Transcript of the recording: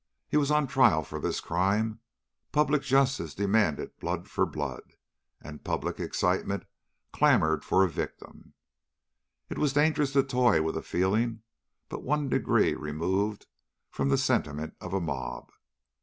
He was on trial for this crime; public justice demanded blood for blood, and public excitement clamored for a victim. It was dangerous to toy with a feeling but one degree removed from the sentiment of a mob.